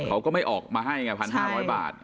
เขาก็ไม่ออกมาให้ไง๑๕๐๐บาท